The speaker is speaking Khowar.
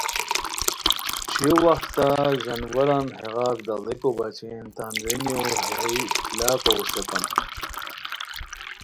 چھویو وختہ ژانواران ہیغار داڑیکو بچین تان رینیو ہئے لاکاؤ اوشوتام